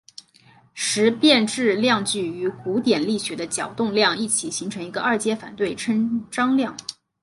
时变质量矩与古典力学的角动量一起形成一个二阶反对称张量。